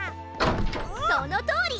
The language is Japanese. そのとおり！